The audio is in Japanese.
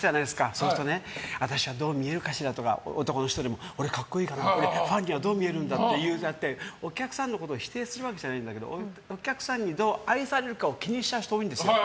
そしたら私どう見えるかしらって男の人でも俺、格好いいかなファンにはどう見えるんだってお客さんのことを否定するわけじゃないんだけどお客さんにどう愛されるかを気にしちゃう人が多いんです。